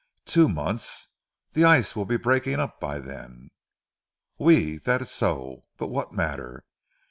"Two months. The ice will be breaking up by then." "Oui! dat so! But what matter?